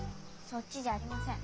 そっちじゃありません。